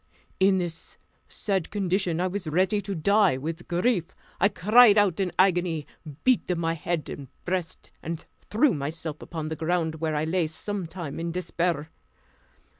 In this sad condition, I was ready to die with grief. I cried out in agony, beat my head and breast, and threw myself upon the ground, where I lay some time in despair.